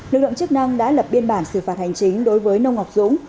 lực lượng chức năng đã lập biên bản xử phạt hành chính đối với nông ngọc dũng